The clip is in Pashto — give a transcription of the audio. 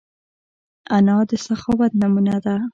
انا د سخاوت نمونه ده